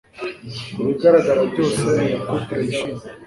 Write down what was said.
Kubigaragara byose, ni couple yishimye.